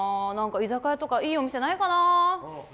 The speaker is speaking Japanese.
居酒屋とか、いいお店ないかな。